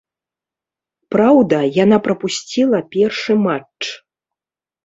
Праўда, яна прапусціла першы матч.